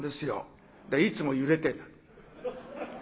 いつも揺れて。